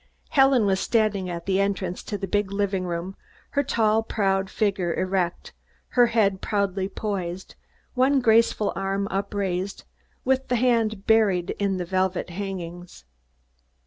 Helen was standing at the entrance to the big living room, her tall figure erect, her head proudly poised, one graceful arm upraised, with the hand buried in the velvet hangings.